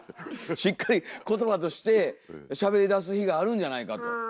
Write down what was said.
しっかり言葉としてしゃべりだす日があるんじゃないかと。